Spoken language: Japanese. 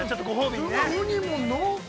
ウニも濃厚。